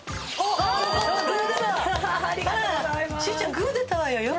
グー出たわよ。